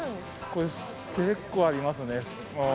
これ結構ありますね。